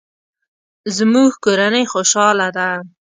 زموږ کورنۍ خوشحاله ده